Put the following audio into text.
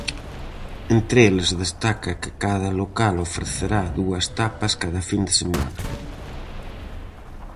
Entre eles destaca que cada local ofrecerá dúas tapas cada fin de semana.